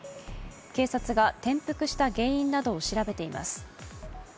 警察が転覆した原因などを調べています。